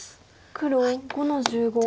黒５の十五ツギ。